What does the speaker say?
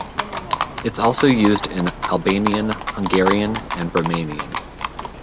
It's also used in Albanian, Hungarian and Romanian.